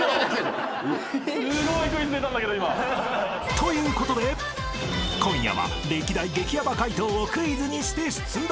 ［ということで今夜は歴代激ヤバ解答をクイズにして出題］